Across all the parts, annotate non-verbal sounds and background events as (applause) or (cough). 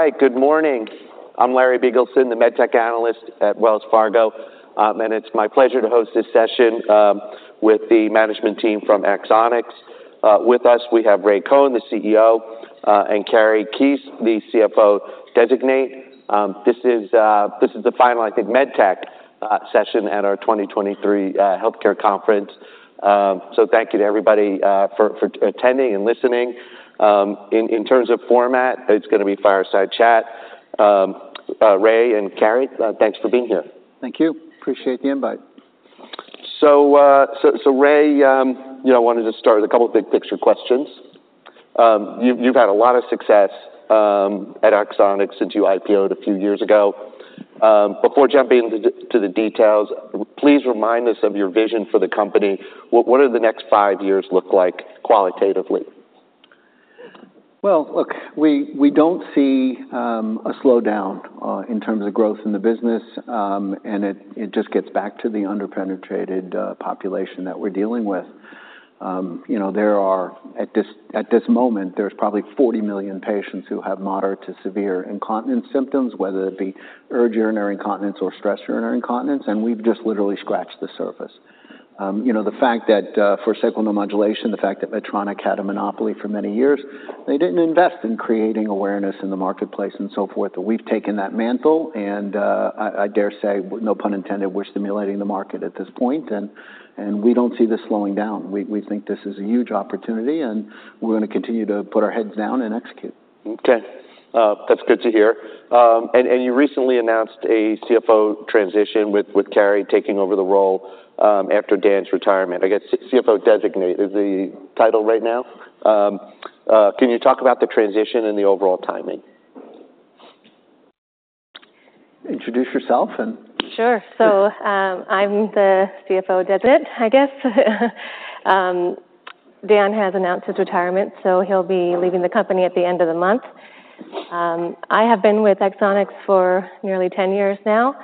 All right, good morning. I'm Larry Biegelsen, the med tech analyst at Wells Fargo. It's my pleasure to host this session with the management team from Axonics. With us, we have Ray Cohen, the CEO, and Kari Keese, the CFO designate. This is the final, I think, med tech session at our 2023 healthcare conference. Thank you to everybody for attending and listening. In terms of format, it's gonna be fireside chat. Ray and Kari, thanks for being here. Thank you. Appreciate the invite. So, Ray, you know, I wanted to start with a couple big-picture questions. You've had a lot of success at Axonics since you IPO-ed a few years ago. Before jumping into the details, please remind us of your vision for the company. What do the next five years look like qualitatively? Well, look, we don't see a slowdown in terms of growth in the business, and it just gets back to the under-penetrated population that we're dealing with. You know, at this moment, there's probably 40 million patients who have moderate to severe incontinence symptoms, whether it be urge urinary incontinence or stress urinary incontinence, and we've just literally scratched the surface. You know, the fact that for sacral neuromodulation, the fact that Medtronic had a monopoly for many years, they didn't invest in creating awareness in the marketplace and so forth. But we've taken that mantle, and I dare say, no pun intended, we're stimulating the market at this point, and we don't see this slowing down. We think this is a huge opportunity, and we're gonna continue to put our heads down and execute. Okay. That's good to hear. And you recently announced a CFO transition with Kari taking over the role, after Dan's retirement. I guess CFO designate is the title right now. Can you talk about the transition and the overall timing? Introduce yourself and- Sure. So, I'm the CFO designate, I guess. Dan has announced his retirement, so he'll be leaving the company at the end of the month. I have been with Axonics for nearly 10 years now,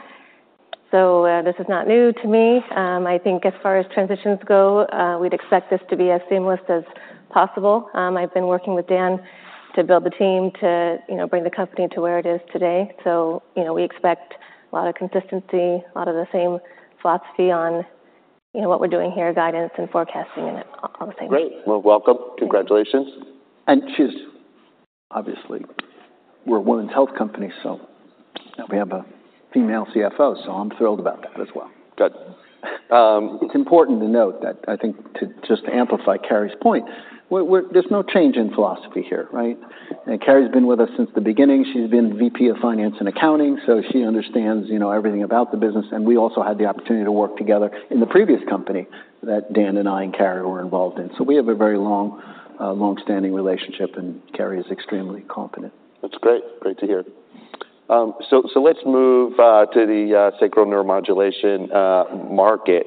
so, this is not new to me. I think as far as transitions go, we'd expect this to be as seamless as possible. I've been working with Dan to build the team to, you know, bring the company to where it is today. So, you know, we expect a lot of consistency, a lot of the same philosophy on, you know, what we're doing here, guidance and forecasting, and all the same things. Great! Well, welcome. Congratulations. And she's obviously, we're a women's health company, so now we have a female CFO, so I'm thrilled about that as well. Good. It's important to note that I think, to just to amplify Kari's point, there's no change in philosophy here, right? Kari's been with us since the beginning. She's been VP of Finance and Accounting, so she understands, you know, everything about the business, and we also had the opportunity to work together in the previous company that Dan and I and Kari were involved in. So we have a very long, long-standing relationship, and Kari is extremely competent. That's great. Great to hear. So let's move to the sacral neuromodulation market.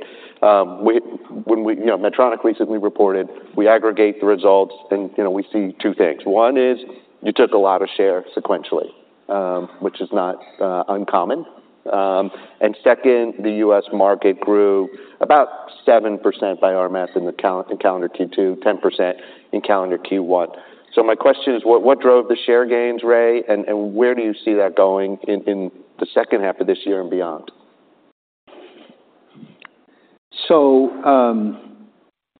When we... You know, Medtronic recently reported, we aggregate the results, and, you know, we see two things. One is you took a lot of shares sequentially, which is not uncommon. And second, the U.S. market grew about 7% by RMS in calendar Q2, 10% in calendar Q1. So my question is, what drove the share gains, Ray? And where do you see that going in the second half of this year and beyond?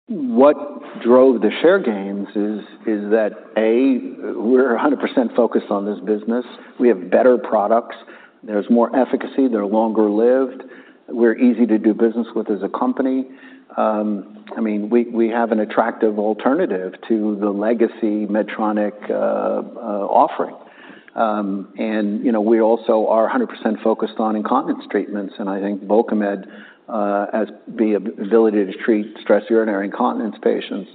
What drove the share gains is that, A, we're 100% focused on this business. We have better products. There's more efficacy. They're longer-lived. We're easy to do business with as a company. I mean, we have an attractive alternative to the legacy Medtronic offering. You know, we also are 100% focused on incontinence treatments, and I think Bulkamid has the ability to treat stress urinary incontinence patients,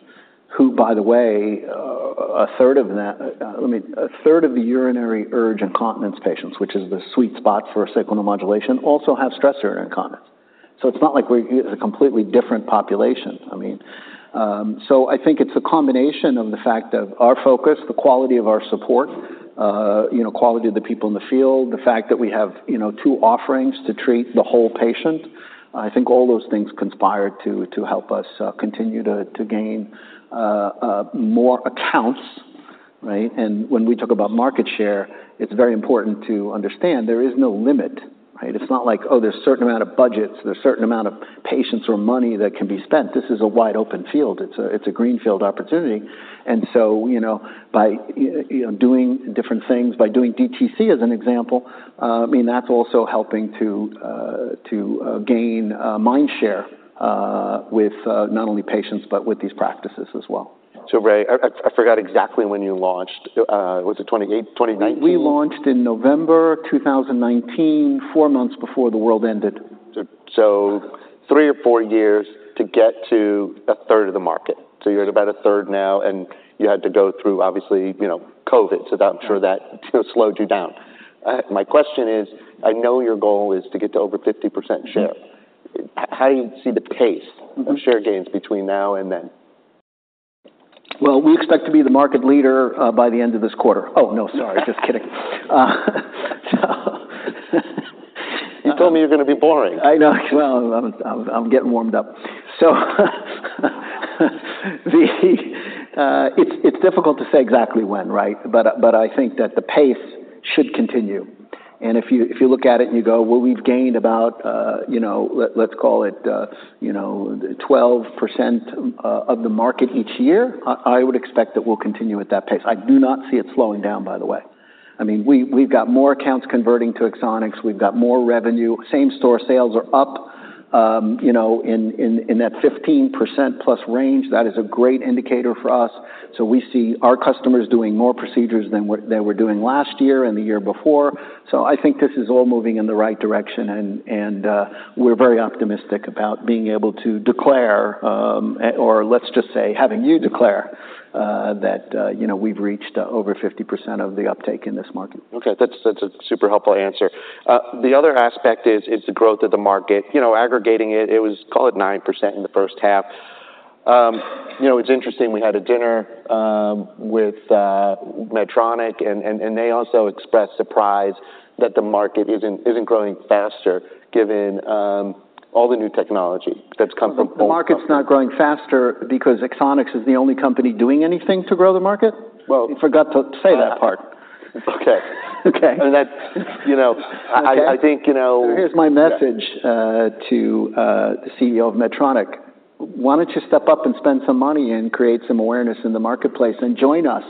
who, by the way, a third of that, I mean, a third of the urinary urge incontinence patients, which is the sweet spot for sacral neuromodulation, also have stress urinary incontinence. It's not like we're a completely different population. I mean, so I think it's a combination of the fact of our focus, the quality of our support, you know, quality of the people in the field, the fact that we have, you know, two offerings to treat the whole patient. I think all those things conspire to help us continue to gain more accounts, right? And when we talk about market share, it's very important to understand there is no limit, right? It's not like, oh, there's a certain amount of budgets, there's a certain amount of patients or money that can be spent. This is a wide-open field. It's a greenfield opportunity. And so, you know, by you know, doing different things, by doing DTC, as an example, I mean, that's also helping to gain mindshare with not only patients, but with these practices as well. Ray, I forgot exactly when you launched. Was it 2018, 2019? We launched in November 2019, four months before the world ended. Three or four years to get to a third of the market. You're at about a third now, and you had to go through, obviously, you know, COVID. I'm sure that slowed you down. My question is, I know your goal is to get to over 50% share. Mm-hmm. How do you see the pace- Mm-hmm. of share gains between now and then? Well, we expect to be the market leader, by the end of this quarter. Oh, no, sorry, just kidding.... You told me you're going to be boring. I know. Well, I'm getting warmed up. So it's difficult to say exactly when, right? But I think that the pace should continue, and if you look at it and you go, well, we've gained about, you know, let's call it, you know, 12% of the market each year, I would expect that we'll continue at that pace. I do not see it slowing down, by the way. I mean, we've got more accounts converting to Axonics. We've got more revenue. Same-store sales are up, you know, in that 15%+ range. That is a great indicator for us. So we see our customers doing more procedures than they were doing last year and the year before. So I think this is all moving in the right direction, and we're very optimistic about being able to declare at or let's just say, having you declare that, you know, we've reached over 50% of the uptake in this market. Okay. That's, that's a super helpful answer. The other aspect is the growth of the market. You know, aggregating it, it was, call it 9% in the first half. You know, it's interesting, we had a dinner with Medtronic, and they also expressed surprise that the market isn't growing faster, given all the new technology that's come from both- The market's not growing faster because Axonics is the only company doing anything to grow the market? Well- You forgot to say that part. Okay. Okay. That's, you know, I think, you know... Here's my message- Yeah... to the CEO of Medtronic. Why don't you step up and spend some money and create some awareness in the marketplace and join us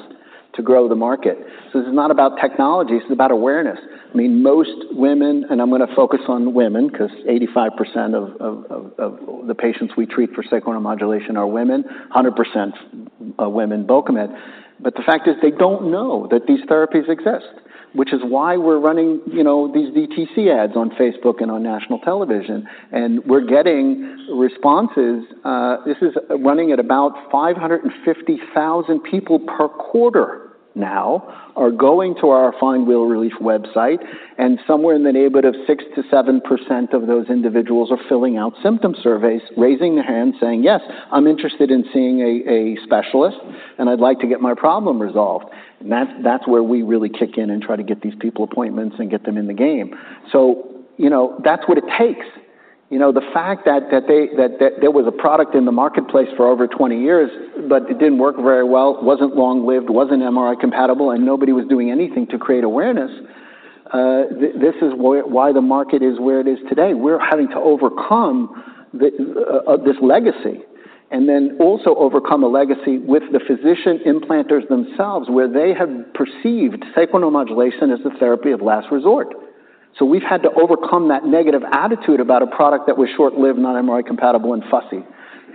to grow the market? So this is not about technology, this is about awareness. I mean, most women, and I'm going to focus on women, 'cause 85% of the patients we treat for Sacral Neuromodulation are women, 100% are women in Bulkamid. But the fact is, they don't know that these therapies exist, which is why we're running, you know, these DTC ads on Facebook and on national television, and we're getting responses. This is running at about 550,000 people per quarter now are going to our Find Real Relief website, and somewhere in the neighborhood of 6%-7% of those individuals are filling out symptom surveys, raising their hand, saying, "Yes, I'm interested in seeing a specialist, and I'd like to get my problem resolved." And that's where we really kick in and try to get these people appointments and get them in the game. So, you know, that's what it takes. You know, the fact that there was a product in the marketplace for over 20 years, but it didn't work very well, wasn't long-lived, wasn't MRI-compatible, and nobody was doing anything to create awareness, this is why the market is where it is today. We're having to overcome the this legacy, and then also overcome a legacy with the physician implanters themselves, where they have perceived Sacral Neuromodulation as the therapy of last resort. So we've had to overcome that negative attitude about a product that was short-lived, not MRI-compatible, and fussy,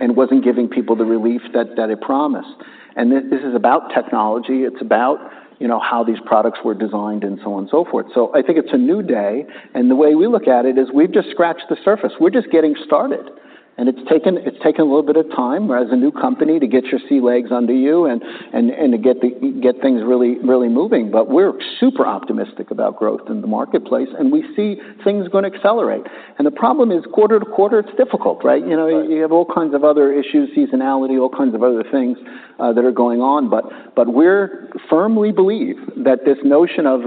and wasn't giving people the relief that it promised. And this is about technology. It's about, you know, how these products were designed and so on and so forth. So I think it's a new day, and the way we look at it is we've just scratched the surface. We're just getting started, and it's taken a little bit of time as a new company to get your sea legs under you and to get things really, really moving. We're super optimistic about growth in the marketplace, and we see things going to accelerate. The problem is quarter to quarter, it's difficult, right? Right. You know, you have all kinds of other issues, seasonality, all kinds of other things, that are going on, but, but we're firmly believe that this notion of,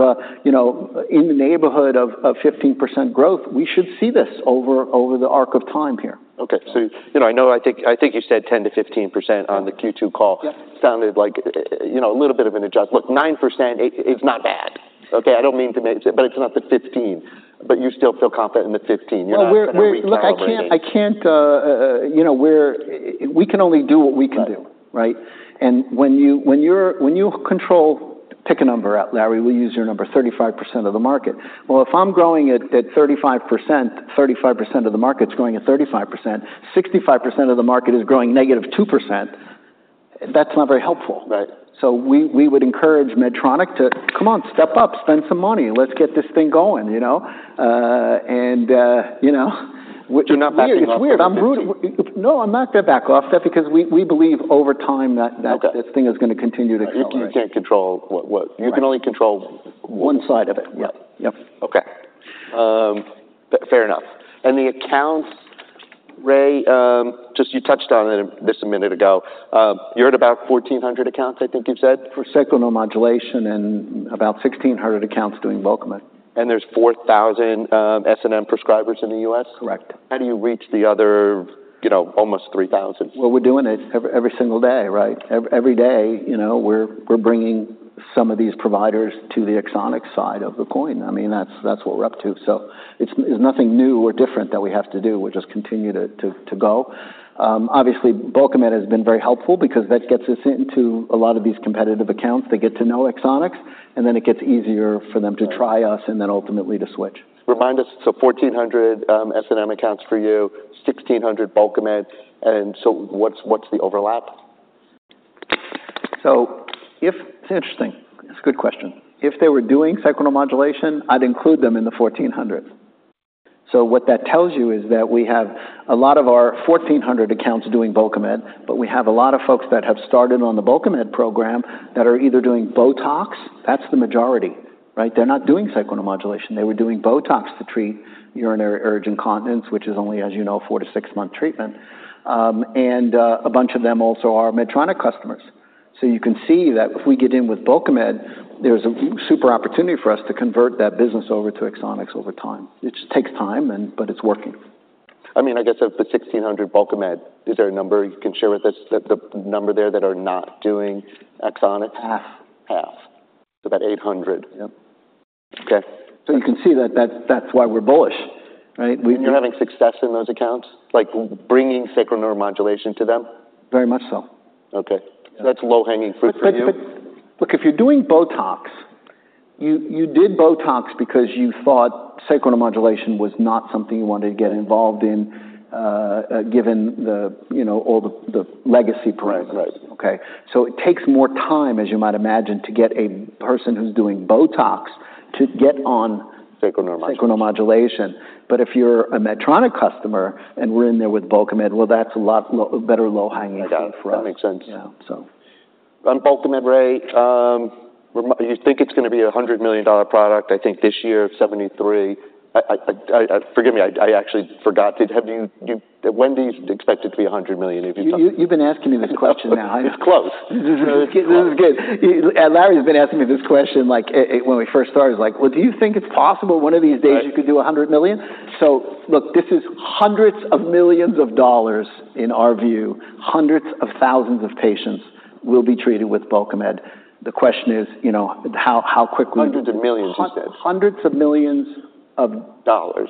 you know, in the neighborhood of, of 15% growth, we should see this over, over the arc of time here. Okay. So, you know, I know, I think, I think you said 10%-15% on the Q2 call. Yeah. Sounded like, you know, a little bit of an adjust. Look, 9% is not bad. Okay, I don't mean to make it... But it's not the 15, but you still feel confident in the 15. You're not gonna reach over it. Well, look, I can't. You know, we can only do what we can do. Right. Right? And when you control, pick a number out, Larry, we'll use your number, 35% of the market. Well, if I'm growing at 35%, 35% of the market's growing at 35%, 65% of the market is growing -2%, that's not very helpful. Right. So we would encourage Medtronic to, "Come on, step up, spend some money. Let's get this thing going," you know? you know. You're not backing off- It's weird. I'm moving- No, I'm not going to back off that because we believe over time that- Okay This thing is going to continue to accelerate. You can't control what- Right. You can only control- One side of it. Yeah. Yep. Okay. Fair enough. The accounts, Ray, just you touched on it a minute ago. You're at about 1,400 accounts, I think you've said? For Sacral Neuromodulation and about 1,600 accounts doing Bulkamid. There's 4,000 SNM prescribers in the U.S.? Correct. How do you reach the other, you know, almost 3,000? Well, we're doing it every single day, right? Every day, you know, we're bringing some of these providers to the Axonics side of the coin. I mean, that's what we're up to. So it's nothing new or different that we have to do. We'll just continue to go. Obviously, Bulkamid has been very helpful because that gets us into a lot of these competitive accounts. They get to know Axonics, and then it gets easier for them- Right to try us and then ultimately to switch. Remind us, so 1,400 SNM accounts for you, 1,600 Bulkamid, and so what's the overlap? So if... It's interesting. It's a good question. If they were doing Sacral Neuromodulation, I'd include them in the 1,400. So what that tells you is that we have a lot of our 1,400 accounts doing Bulkamid, but we have a lot of folks that have started on the Bulkamid program that are either doing Botox, that's the majority, right? They're not doing Sacral Neuromodulation. They were doing Botox to treat urinary urge incontinence, which is only, as you know, four-six-month treatment. And a bunch of them also are Medtronic customers.... So you can see that if we get in with Bulkamid, there's a super opportunity for us to convert that business over to Axonics over time. It just takes time and- but it's working. I mean, I guess of the 1,600 Bulkamid, is there a number you can share with us, the number there that are not doing Axonics? Half. Half. So about 800? Yep. Okay. You can see that, that's why we're bullish, right? We- You're having success in those accounts, like, bringing Sacral Neuromodulation to them? Very much so. Okay. Yeah. So that's low-hanging fruit for you? But look, if you're doing Botox, you did Botox because you thought sacral neuromodulation was not something you wanted to get involved in, given the, you know, all the legacy parameters. Right. Okay? So it takes more time, as you might imagine, to get a person who's doing Botox to get on- Sacral neuromodulation... sacral neuromodulation. But if you're a Medtronic customer, and we're in there with Bulkamid, well, that's a lot more better low-hanging fruit for us. That makes sense. Yeah, so. On Bulkamid, Ray, you think it's going to be a $100 million product. I think this year, $73 million. Forgive me, I actually forgot. When do you expect it to be a $100 million, if you? You, you've been asking me this question now, I know. It's close. This is good. Larry has been asking me this question, like, when we first started, he's like: "Well, do you think it's possible one of these days- Right - you could do $100 million?" So look, this is hundreds of millions of dollars in our view. Hundreds of thousands of patients will be treated with Bulkamid. The question is, you know, how, how quickly- Hundreds of millions, you said. Hundreds of millions of- Dollars.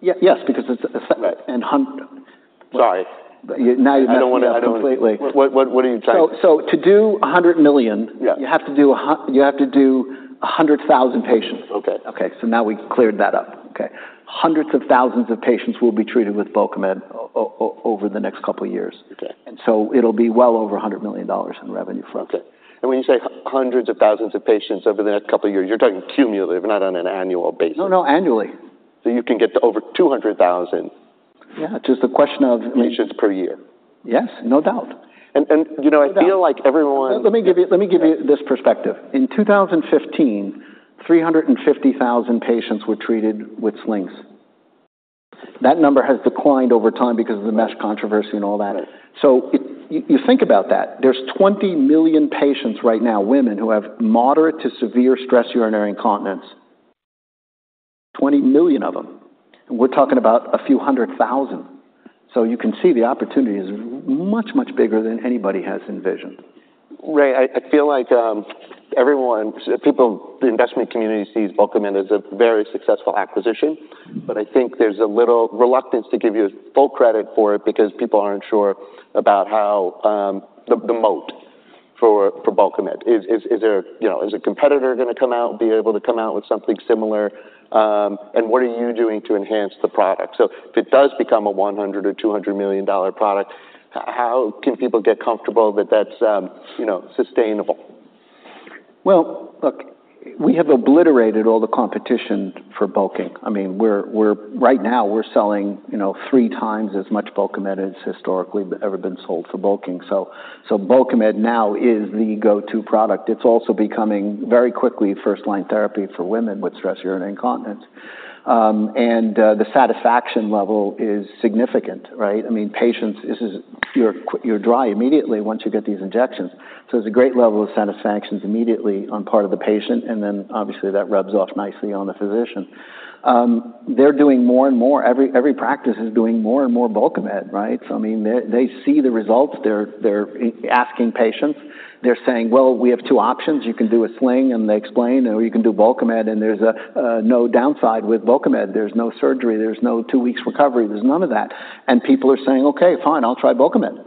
Yes, because it's- Right. And hun- Sorry. Now you've missed it completely. I don't want to... What are you trying to- So, to do $100 million- Yeah You have to do 100,000 patients. Okay. Okay, so now we've cleared that up. Okay. Hundreds of thousands of patients will be treated with Bulkamid over the next couple of years. Okay. It'll be well over $100 million in revenue for us. Okay. And when you say hundreds of thousands of patients over the next couple of years, you're talking cumulative, not on an annual basis? No, no, annually. You can get to over 200,000- Yeah, just a question of- Patients per year. Yes, no doubt. You know- No doubt I feel like everyone- Let me give you this perspective. In 2015, 350,000 patients were treated with slings. That number has declined over time because of the mesh controversy and all that. Right. So you think about that. There's 20 million patients right now, women, who have moderate to severe stress urinary incontinence. 20 million of them, and we're talking about a few hundred thousand. So you can see the opportunity is much, much bigger than anybody has envisioned. Ray, I feel like everyone, people, the investment community sees Bulkamid as a very successful acquisition. Mm-hmm. But I think there's a little reluctance to give you full credit for it because people aren't sure about how the moat for Bulkamid. Is there, you know, a competitor going to come out, be able to come out with something similar? And what are you doing to enhance the product? So if it does become a $100 million or $200 million product, how can people get comfortable that that's, you know, sustainable? Well, look, we have obliterated all the competition for bulking. I mean, right now, we're selling, you know, three times as much Bulkamid as historically ever been sold for bulking. So Bulkamid now is the go-to product. It's also becoming, very quickly, first-line therapy for women with stress urinary incontinence. And the satisfaction level is significant, right? I mean, patients, this is- you're dry immediately once you get these injections. So there's a great level of satisfaction immediately on part of the patient, and then obviously, that rubs off nicely on the physician. They're doing more and more, every practice is doing more and more Bulkamid, right? So I mean, they see the results, they're asking patients. They're saying: "Well, we have two options. You can do a sling," and they explain, "or you can do Bulkamid, and there's no downside with Bulkamid. There's no surgery, there's no two weeks recovery, there's none of that." And people are saying, "Okay, fine, I'll try Bulkamid."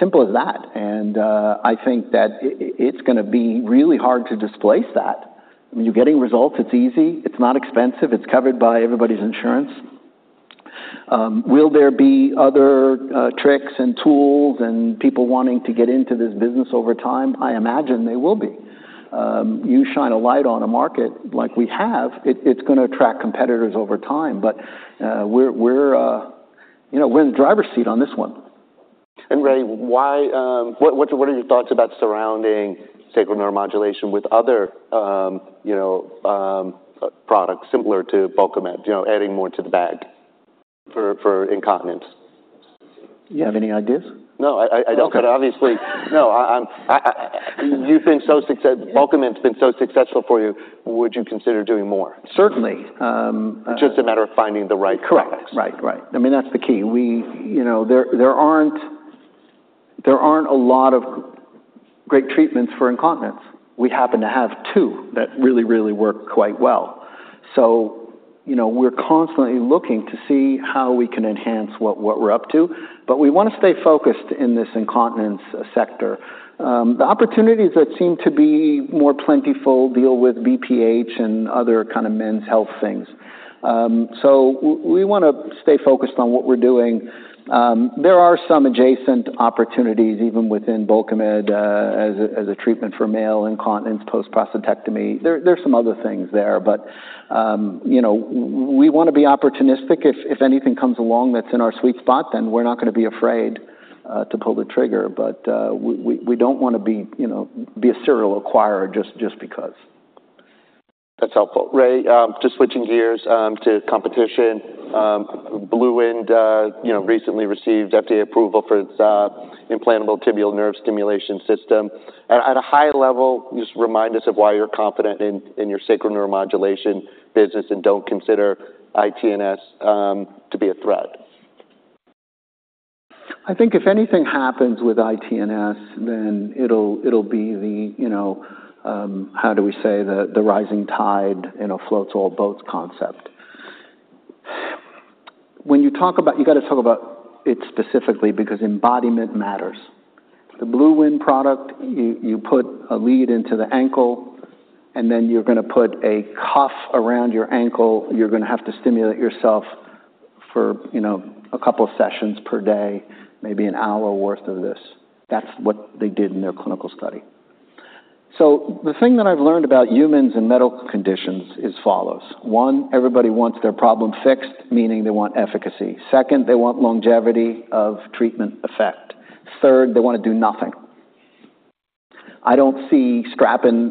Simple as that. And I think that it's gonna be really hard to displace that. I mean, you're getting results, it's easy, it's not expensive, it's covered by everybody's insurance. Will there be other tricks and tools and people wanting to get into this business over time? I imagine there will be. You shine a light on a market like we have, it's gonna attract competitors over time. But we're, we're you know, we're in the driver's seat on this one. And Ray, why? What are your thoughts about surrounding sacral neuromodulation with other, you know, products similar to Bulkamid, you know, adding more to the bag for incontinence? You have any ideas? No, I don't- Okay. but obviously... No, I, I'm, you think so. Bulkamid has been so successful for you. Would you consider doing more? Certainly, It's just a matter of finding the right products. Correct. Right. Right. I mean, that's the key. We, you know, there aren't a lot of great treatments for incontinence. We happen to have two that really, really work quite well. So, you know, we're constantly looking to see how we can enhance what we're up to, but we want to stay focused in this incontinence sector. The opportunities that seem to be more plentiful deal with BPH and other kind of men's health things. So we want to stay focused on what we're doing. There are some adjacent opportunities, even within Bulkamid, as a treatment for male incontinence, post-prostatectomy. There are some other things there, but, you know, we want to be opportunistic. If anything comes along that's in our sweet spot, then we're not going to be afraid to pull the trigger, but we don't want to be, you know, a serial acquirer just because. ... That's helpful. Ray, just switching gears to competition. BlueWind, you know, recently received FDA approval for its implantable tibial nerve stimulation system. At a high level, just remind us of why you're confident in your sacral neuromodulation business and don't consider ITNS to be a threat. I think if anything happens with ITNS, then it'll be the, you know, the rising tide, you know, floats all boats concept. When you talk about—You gotta talk about it specifically because embodiment matters. The BlueWind product, you put a lead into the ankle, and then you're gonna put a cuff around your ankle. You're gonna have to stimulate yourself for, you know, a couple of sessions per day, maybe an hour worth of this. That's what they did in their clinical study. So the thing that I've learned about humans and medical conditions is follows: One, everybody wants their problem fixed, meaning they want efficacy. Second, they want longevity of treatment effect. Third, they wanna do nothing. I don't see strapping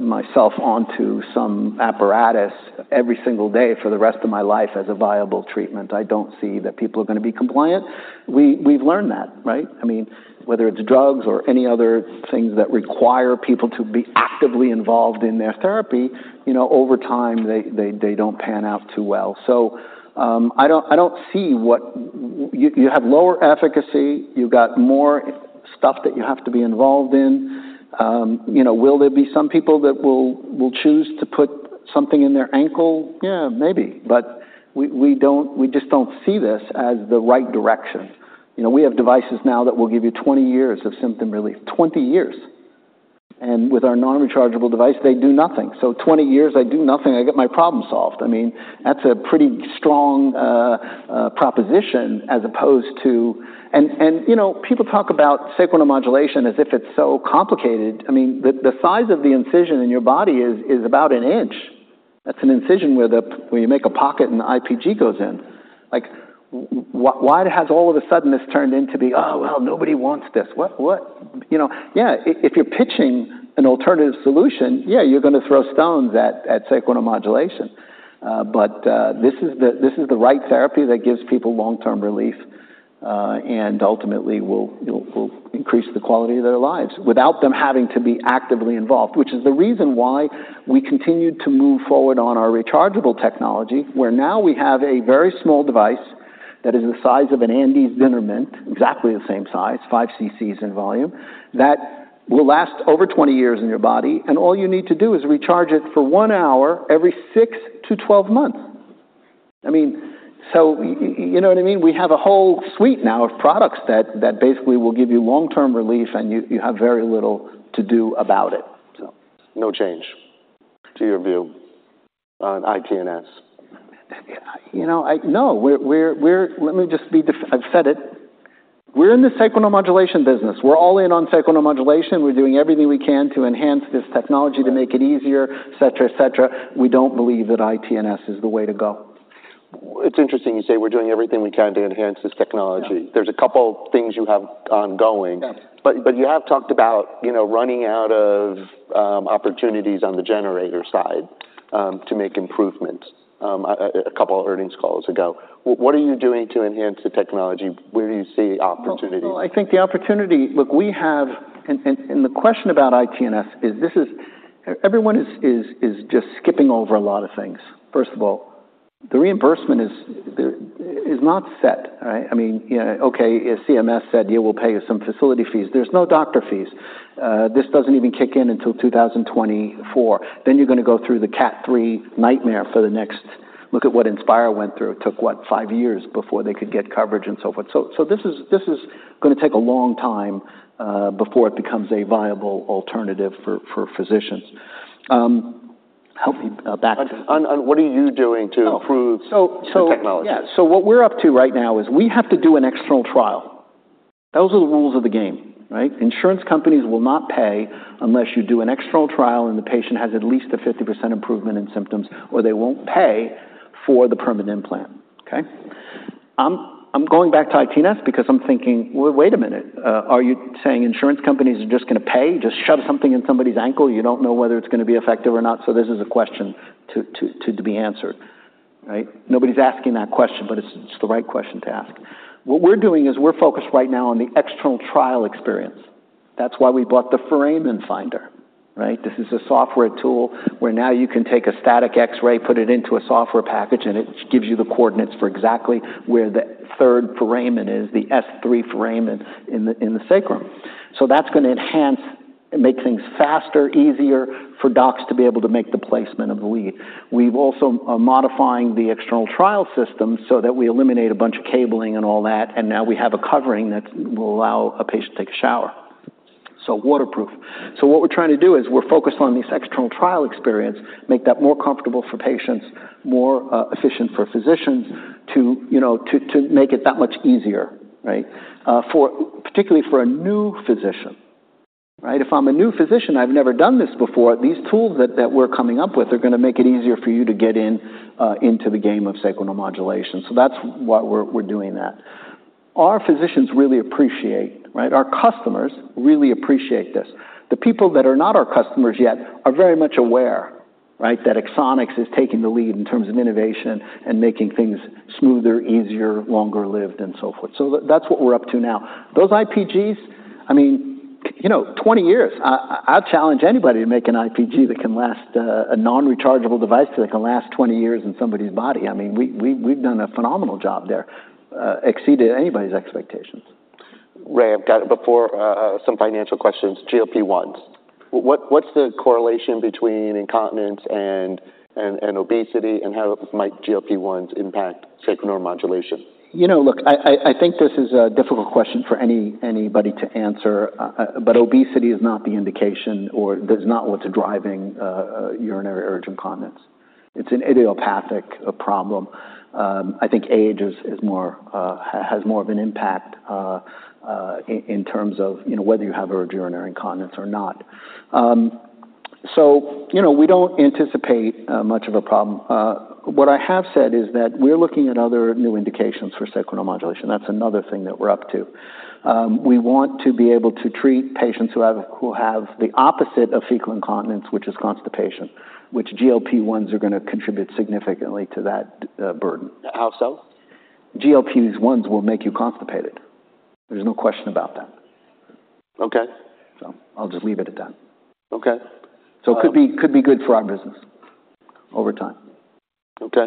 myself onto some apparatus every single day for the rest of my life as a viable treatment. I don't see that people are gonna be compliant. We've learned that, right? I mean, whether it's drugs or any other things that require people to be actively involved in their therapy, you know, over time, they don't pan out too well. So, I don't see what... You have lower efficacy, you've got more stuff that you have to be involved in. You know, will there be some people that will choose to put something in their ankle? Yeah, maybe, but we don't-- we just don't see this as the right direction. You know, we have devices now that will give you 20 years of symptom relief, 20 years. And with our non-rechargeable device, they do nothing. So 20 years, I do nothing, I get my problem solved. I mean, that's a pretty strong proposition as opposed to... You know, people talk about sacral neuromodulation as if it's so complicated. I mean, the size of the incision in your body is about an inch. That's an incision where you make a pocket, and the IPG goes in. Like, why has all of a sudden this turned into the, "Oh, well, nobody wants this?" What? You know, yeah, if you're pitching an alternative solution, yeah, you're gonna throw stones at sacral neuromodulation, but this is the right therapy that gives people long-term relief, and ultimately will increase the quality of their lives without them having to be actively involved, which is the reason why we continued to move forward on our rechargeable technology, where now we have a very small device that is the size of an Andes Dinner Mint, exactly the same size, 5 cc in volume, that will last over 20 years in your body, and all you need to do is recharge it for 1 hour every six-12 months. I mean, you know what I mean? We have a whole suite now of products that basically will give you long-term relief, and you have very little to do about it, so. No change to your view on ITNS? You know, no. We're... Let me just be definite. I've said it. We're in the sacral neuromodulation business. We're all in on sacral neuromodulation. We're doing everything we can to enhance this technology to make it easier, et cetera, et cetera. We don't believe that ITNS is the way to go. It's interesting you say we're doing everything we can to enhance this technology. Yeah. There's a couple things you have ongoing. Yeah. But you have talked about, you know, running out of opportunities on the generator side to make improvements a couple of earnings calls ago. What are you doing to enhance the technology? Where do you see opportunity? Well, I think the opportunity. Look, we have. And the question about ITNS is this is. Everyone is just skipping over a lot of things. First of all, the reimbursement is not set, right? I mean, you know, okay, if CMS said, "We will pay you some facility fees," there's no doctor fees. This doesn't even kick in until 2024. Then you're gonna go through the Cat III nightmare for the next. Look at what Inspire went through. It took, what? five years before they could get coverage and so forth. So this is gonna take a long time before it becomes a viable alternative for physicians. Help me back to. What are you doing to improve- Oh, so. - the technology? Yeah. So what we're up to right now is we have to do an external trial. Those are the rules of the game, right? Insurance companies will not pay unless you do an external trial, and the patient has at least a 50% improvement in symptoms, or they won't pay for the permanent implant, okay? I'm going back to ITNS because I'm thinking, "Well, wait a minute. Are you saying insurance companies are just gonna pay? Just shove something in somebody's ankle, you don't know whether it's gonna be effective or not?" So this is a question to be answered, right? Nobody's asking that question, but it's the right question to ask. What we're doing is we're focused right now on the external trial experience. That's why we bought the Foramen Finder, right? This is a software tool where now you can take a static X-ray, put it into a software package, and it gives you the coordinates for exactly where the third foramen is, the S3 foramen in the sacrum. So that's gonna enhance and make things faster, easier for docs to be able to make the placement of the lead. We've also are modifying the external trial system so that we eliminate a bunch of cabling and all that, and now we have a covering that will allow a patient to take a shower, so waterproof. So what we're trying to do is we're focused on this external trial experience, make that more comfortable for patients, more efficient for physicians to you know to make it that much easier, right? Particularly for a new physician, right? If I'm a new physician, I've never done this before, these tools that we're coming up with are gonna make it easier for you to get into the game of sacral neuromodulation. So that's why we're doing that. Our physicians really appreciate, right? Our customers really appreciate this. The people that are not our customers yet are very much aware, right, that Axonics is taking the lead in terms of innovation and making things smoother, easier, longer-lived, and so forth. So that's what we're up to now. Those IPGs, I mean, you know, 20 years, I challenge anybody to make an IPG that can last a non-rechargeable device that can last 20 years in somebody's body. I mean, we've done a phenomenal job there, exceeded anybody's expectations. Ray, I've got it before, some financial questions, GLP-1s. What’s the correlation between incontinence and obesity, and how might GLP-1s impact sacral neuromodulation? You know, look, I think this is a difficult question for anybody to answer, but obesity is not the indication or does not what's driving urinary urge incontinence. It's an idiopathic problem. I think age has more of an impact in terms of, you know, whether you have urge urinary incontinence or not. So, you know, we don't anticipate much of a problem. What I have said is that we're looking at other new indications for sacral neuromodulation. That's another thing that we're up to. We want to be able to treat patients who have the opposite of fecal incontinence, which is constipation, which GLP-1s are gonna contribute significantly to that burden. How so? GLP-1s will make you constipated. There's no question about that. Okay. I'll just leave it at that. Okay. It could be, could be good for our business over time. Okay,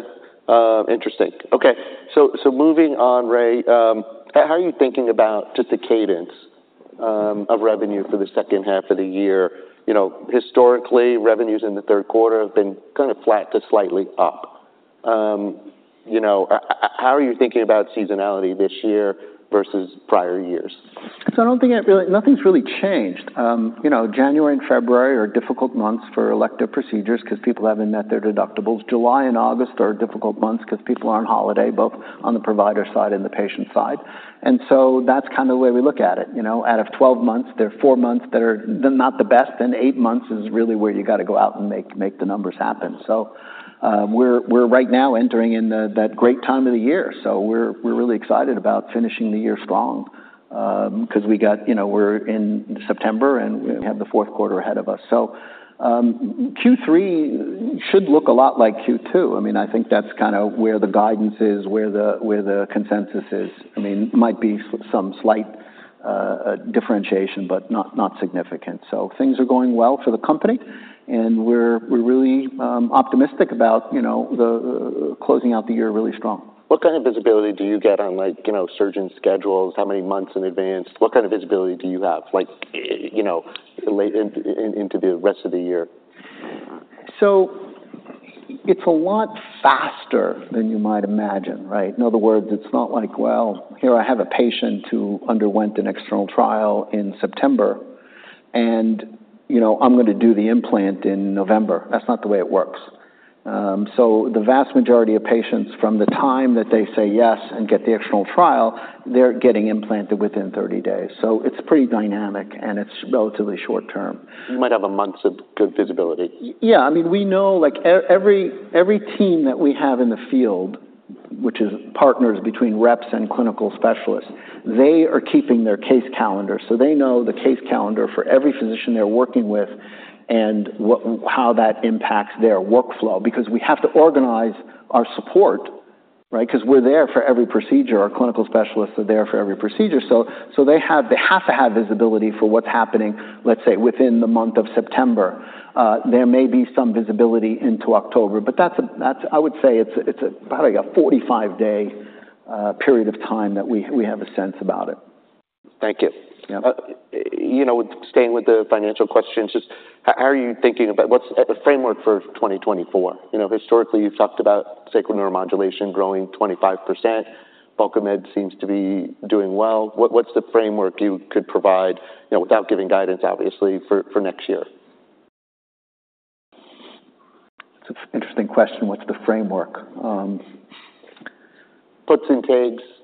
interesting. Okay, so moving on, Ray, how are you thinking about just the cadence of revenue for the second half of the year? You know, historically, revenues in the third quarter have been kind of flat to slightly up. You know, how are you thinking about seasonality this year versus prior years? So I don't think it really changed. Nothing's really changed. You know, January and February are difficult months for elective procedures because people haven't met their deductibles. July and August are difficult months because people are on holiday, both on the provider side and the patient side. So that's kind of the way we look at it. You know, out of 12 months, there are four months that are not the best, and eight months is really where you got to go out and make the numbers happen. So we're right now entering that great time of the year, so we're really excited about finishing the year strong. Because you know, we're in September, and we have the fourth quarter ahead of us. So Q3 should look a lot like Q2. I mean, I think that's kind of where the guidance is, where the consensus is. I mean, might be some slight differentiation, but not significant. So things are going well for the company, and we're really optimistic about, you know, the closing out the year really strong. What kind of visibility do you get on, like, you know, surgeon schedules? How many months in advance? What kind of visibility do you have, like, you know, late into the rest of the year? So it's a lot faster than you might imagine, right? In other words, it's not like, well, here I have a patient who underwent an external trial in September, and, you know, I'm going to do the implant in November. That's not the way it works. So the vast majority of patients, from the time that they say yes and get the external trial, they're getting implanted within 30 days. So it's pretty dynamic, and it's relatively short term. You might have a month of good visibility? Yeah. I mean, we know, like, every team that we have in the field, which is partners between reps and clinical specialists, they are keeping their case calendar. So they know the case calendar for every physician they're working with and how that impacts their workflow, because we have to organize our support, right? Because we're there for every procedure. Our clinical specialists are there for every procedure. So they have to have visibility for what's happening, let's say, within the month of September. There may be some visibility into October, but that's probably a 45-day period of time that we have a sense about it. Thank you. Yeah. You know, staying with the financial questions, just how are you thinking about—what's the framework for 2024? You know, historically, you've talked about sacral neuromodulation growing 25%. Bulkamid seems to be doing well. What's the framework you could provide, you know, without giving guidance, obviously, for next year? It's an interesting question. What's the framework? Puts and takes, just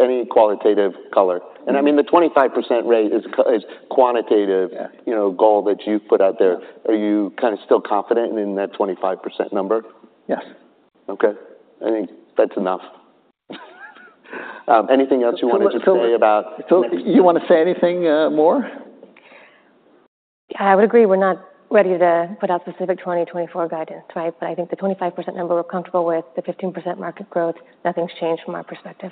any qualitative color. Mm-hmm. I mean, the 25% rate is quantitative- Yeah you know, goal that you've put out there. Yeah. Are you kind of still confident in that 25% number? Yes. Okay. I think that's enough. Anything else you wanted to say about- So you want to say anything, more? I would agree. We're not ready to put out specific 2024 guidance, right? But I think the 25% number, we're comfortable with, the 15% market growth. Nothing's changed from our perspective.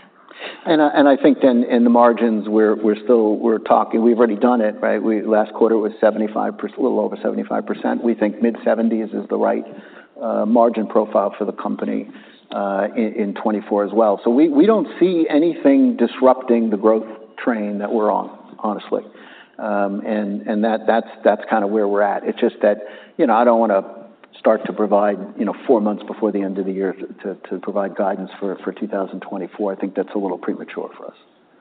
I think then in the margins, we're talking. We've already done it, right? Last quarter was 75, a little over 75%. We think mid-70s% is the right margin profile for the company in 2024 as well. So we don't see anything disrupting the growth train that we're on, honestly. And that's kind of where we're at. It's just that, you know, I don't want to start to provide, you know, four months before the end of the year to provide guidance for 2024. I think that's a little premature for us.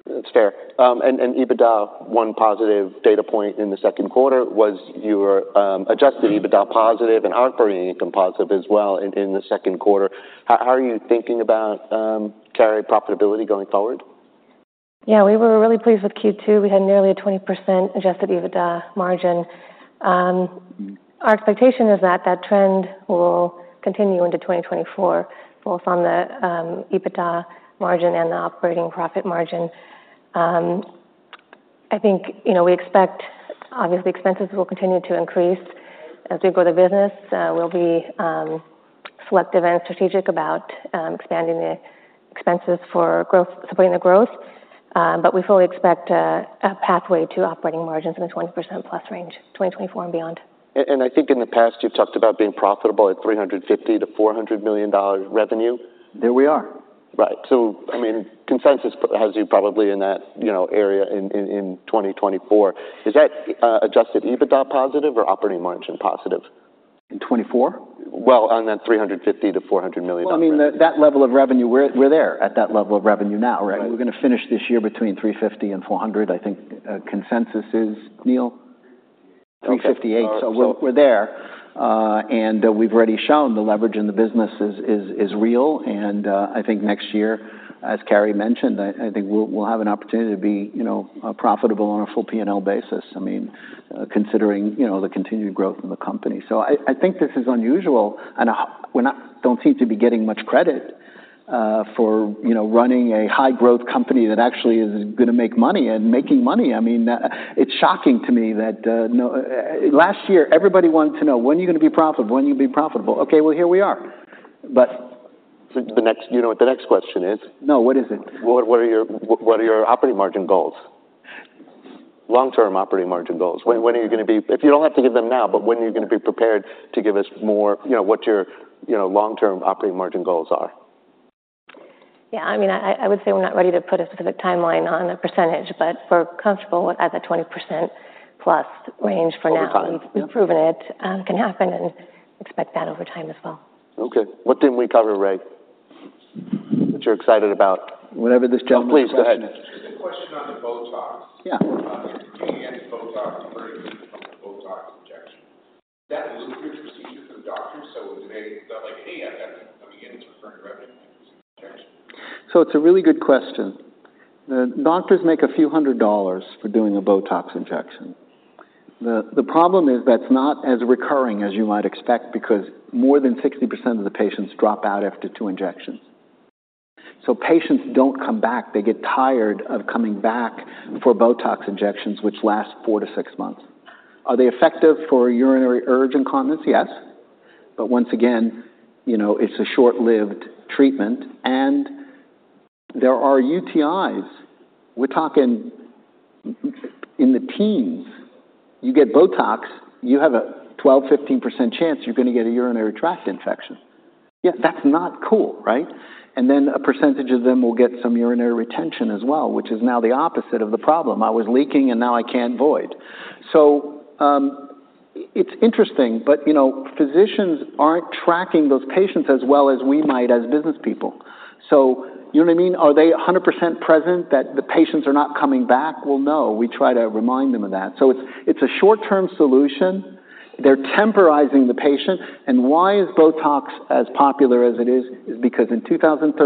That's fair. And EBITDA, one positive data point in the second quarter was your Adjusted EBITDA positive and operating income positive as well in the second quarter. How are you thinking about carry profitability going forward? Yeah, we were really pleased with Q2. We had nearly a 20% Adjusted EBITDA margin. Our expectation is that that trend will continue into 2024, both on the Adjusted EBITDA margin and the operating profit margin. I think, you know, we expect, obviously, expenses will continue to increase as we grow the business. We'll be selective and strategic about expanding the expenses for growth, supporting the growth. But we fully expect a pathway to operating margins in the 20%+ range, 2024 and beyond. And I think in the past, you've talked about being profitable at $350 million-$400 million revenue? There we are. Right. So, I mean, consensus has you probably in that, you know, area in 2024. Is that Adjusted EBITDA positive or operating margin positive? In 2024? Well, on that $350 million-$400 million dollar- Well, I mean, that level of revenue, we're there at that level of revenue now, right? Right. We're gonna finish this year between $350 and $400. I think, consensus is, Neil, $358. Okay. So- So we're there. And we've already shown the leverage in the business is real, and I think next year, as Kari mentioned, I think we'll have an opportunity to be, you know, profitable on a full P&L basis. I mean, considering, you know, the continued growth in the company. So I think this is unusual, and we don't seem to be getting much credit, for, you know, running a high-growth company that actually is gonna make money and making money. I mean, it's shocking to me that, no... Last year, everybody wanted to know, "When are you gonna be profitable? When are you gonna be profitable?" Okay, well, here we are, but- You know what the next question is? No, what is it? What are your operating margin goals? Long-term operating margin goals. When are you gonna be... You don't have to give them now, but when are you gonna be prepared to give us more, you know, what your long-term operating margin goals are? Yeah, I mean, I would say we're not ready to put a specific timeline on the percentage, but we're comfortable with at the 20%+ range for now. Over time. We've proven it, can happen and expect that over time as well. Okay. What didn't we cover, Ray, that you're excited about? Whatever this gentleman- Please, go ahead. Just a question on the Botox. Yeah. The Botox, referring from the Botox injection. That was a good procedure for the doctors, so do they felt like, "Hey, I've got coming in. It's referring to revenue injection? So it's a really good question. The doctors make a few hundred dollars for doing a Botox injection. The problem is that's not as recurring as you might expect because more than 60% of the patients drop out after two injections. So patients don't come back. They get tired of coming back for Botox injections, which last four-six months. Are they effective for urinary urge incontinence? Yes. But once again, you know, it's a short-lived treatment, and there are UTIs. We're talking in the teens. You get Botox, you have a 12%-15% chance you're gonna get a urinary tract infection. Yeah, that's not cool, right? And then a percentage of them will get some urinary retention as well, which is now the opposite of the problem. I was leaking, and now I can't void." So, it's interesting, but, you know, physicians aren't tracking those patients as well as we might as business people. So you know what I mean? Are they 100% present that the patients are not coming back? Well, no, we try to remind them of that. So it's a short-term solution. They're temporizing the patient. And why is Botox as popular as it is? It's because in 2013,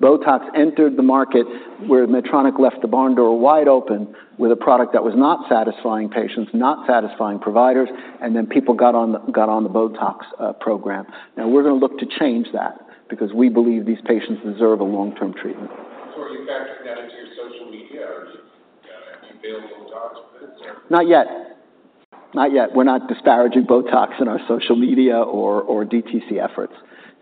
Botox entered the market where Medtronic left the barn door wide open with a product that was not satisfying patients, not satisfying providers, and then people got on the Botox program. Now, we're gonna look to change that because we believe these patients deserve a long-term treatment. So are you factoring that into your social media, or do you you pair Botox with it or? Not yet. Not yet. We're not disparaging Botox in our social media or DTC efforts.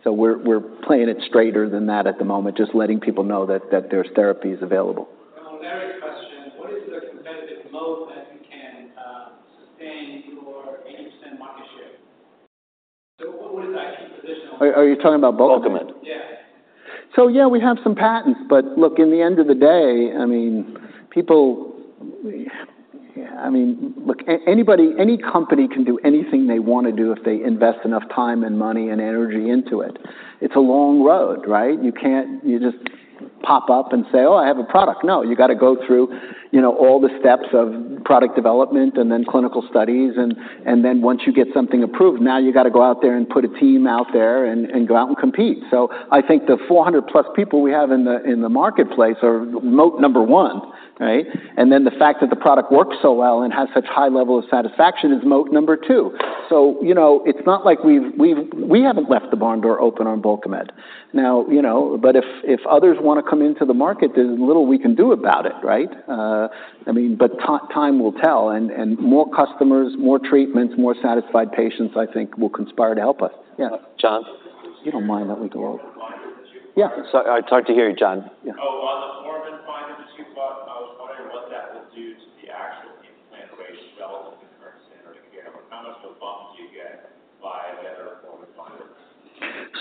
So we're playing it straighter than that at the moment, just letting people know that there's therapies available. On that question, what is the competitive moat that you can sustain your 80% market share? What is the IP position? Are you talking about Bulkamid? (audio distortion) So yeah, we have some patents, but look, in the end of the day, I mean, people... Yeah, I mean, look, anybody, any company can do anything they want to do if they invest enough time and money and energy into it. It's a long road, right? You can't, you just pop up and say, "Oh, I have a product." No, you gotta go through, you know, all the steps of product development and then clinical studies, and, and then once you get something approved, now you gotta go out there and put a team out there and, and go out and compete. So I think the 400+ people we have in the marketplace are moat number one, right? And then the fact that the product works so well and has such high level of satisfaction is moat number two. You know, it's not like we haven't left the barn door open on Bulkamid. Now, you know, but if others want to come into the market, there's little we can do about it, right? I mean, but time will tell, and more customers, more treatments, more satisfied patients, I think, will conspire to help us. Yeah. John? You don't mind, let me go over. Yeah. So it's hard to hear you, John. Yeah. Oh, well, the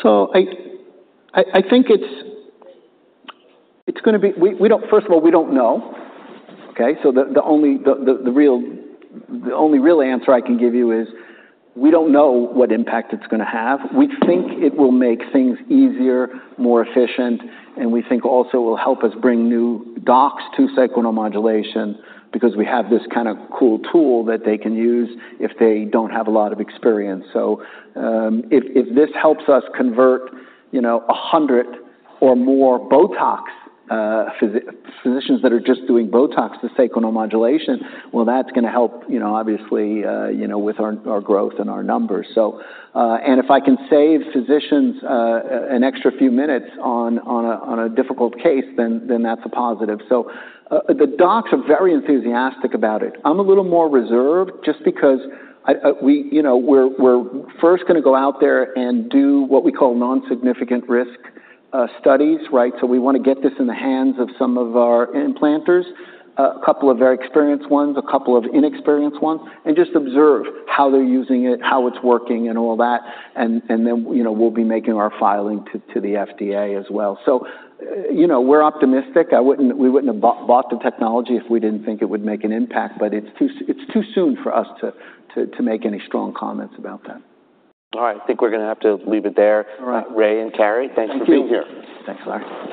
Foramen Finder you bought, (audio distortion) rate itself in the current standard of care, or how much of a bump do you get by better Foramen Finder? So I think it's gonna be... We don't— First of all, we don't know, okay? So the real, the only real answer I can give you is we don't know what impact it's gonna have. We think it will make things easier, more efficient, and we think also will help us bring new docs to sacral neuromodulation because we have this kind of cool tool that they can use if they don't have a lot of experience. So, if this helps us convert, you know, 100 or more Botox physicians that are just doing Botox to sacral neuromodulation, well, that's gonna help, you know, obviously, you know, with our growth and our numbers. So, and if I can save physicians an extra few minutes on a difficult case, then that's a positive. So, the docs are very enthusiastic about it. I'm a little more reserved just because we, you know, we're first gonna go out there and do what we call Non-Significant Risk studies, right? So we wanna get this in the hands of some of our implanters, a couple of very experienced ones, a couple of inexperienced ones, and just observe how they're using it, how it's working, and all that. And then, you know, we'll be making our filing to the FDA as well. So, you know, we're optimistic. I wouldn't. We wouldn't have bought the technology if we didn't think it would make an impact, but it's too soon for us to make any strong comments about that. All right. I think we're gonna have to leave it there. All right. Ray and Kari, thanks for being here. Thank you. Thanks a lot.